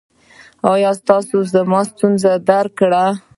ایا تاسو زما ستونزه درک کړه؟